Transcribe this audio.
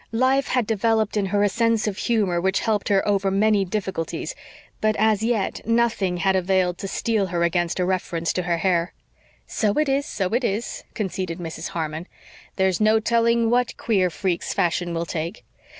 Life had developed in her a sense of humor which helped her over many difficulties; but as yet nothing had availed to steel her against a reference to her hair. "So it is so it is," conceded Mrs. Harmon. "There's no telling what queer freaks fashion will take.